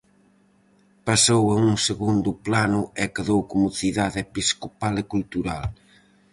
Pasou a un segundo plano e quedou como cidade episcopal e cultural.